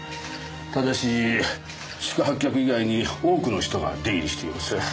ただし宿泊客以外に多くの人が出入りしています。